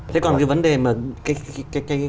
thế còn cái vấn đề mà